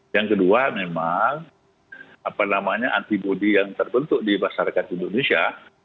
yang kedua memang antibody yang terbentuk di masyarakat indonesia